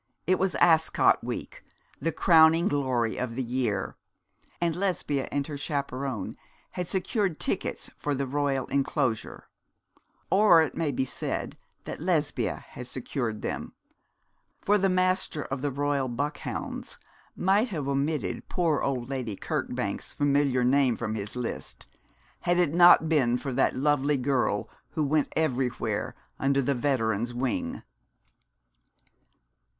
It was Ascot week, the crowning glory of the year, and Lesbia and her chaperon had secured tickets for the Royal enclosure or it may be said rather that Lesbia had secured them for the Master of the Royal Buckhounds might have omitted poor old Lady Kirkbank's familiar name from his list if it had not been for that lovely girl who went everywhere under the veteran's wing.